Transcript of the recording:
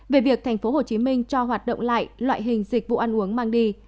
về việc tp hcm cho hoạt động lại loại hình dịch vụ ăn uống mang đi